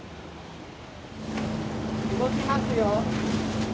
動きますよ。